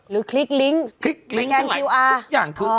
หรือคลิกลิงค์